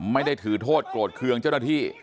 ไม่ได้ถือโทษโกรธเคืองเจ้าหน้าที่